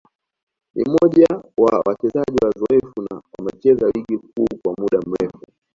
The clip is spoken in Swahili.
ni mmoja wa wachezaji wazoefu na wamecheza Ligi Kuu kwa muda mrefu